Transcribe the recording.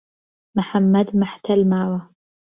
محەممەد مهحتەل ماوه